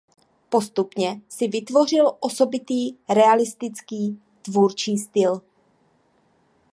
Postupně si vytvořil osobitý realistický tvůrčí styl.